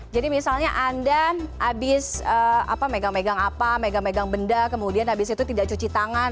jadi misalnya anda habis megang megang apa megang megang benda kemudian habis itu tidak cuci tangan